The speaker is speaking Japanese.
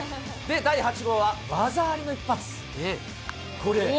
第８号は、技ありの一発。